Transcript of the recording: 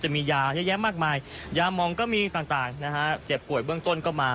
มียาเยอะแยะมากมายยามองก็มีต่างนะฮะเจ็บป่วยเบื้องต้นก็มา